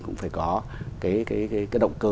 cũng phải có cái động cơ